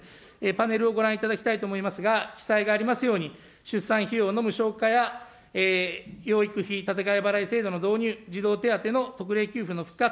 パネルをご覧いただきたいと思いますが、記載がありますように、出産費用の無償化や養育費立て替え払いの導入、児童手当の特例給付の復活。